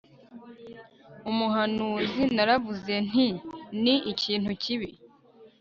umuhanuzi! naravuze nti, ni ikintu kibi